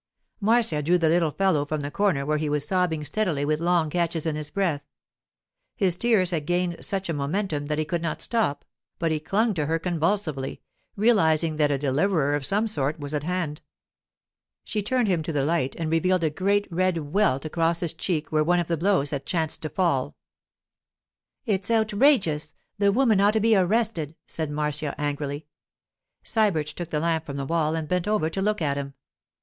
Marcia drew the little fellow from the corner where he was sobbing steadily with long catches in his breath. His tears had gained such a momentum that he could not stop, but he clung to her convulsively, realizing that a deliverer of some sort was at hand. She turned him to the light and revealed a great red welt across his cheek where one of the blows had chanced to fall. 'It's outrageous! The woman ought to be arrested!' said Marcia, angrily. Sybert took the lamp from the wall and bent over to look at him.